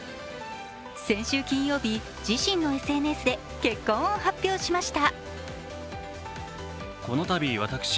先週金曜日、自身のＳＮＳで結婚を発表しました。